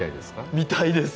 見たいです！